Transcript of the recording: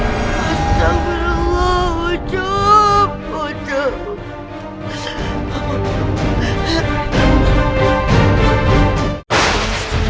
astagfirullah ujjum ujjum